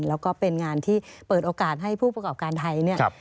แล้วก็เป็นงานที่เปิดโอกาสให้ผู้ประกอบการไทยเนี่ย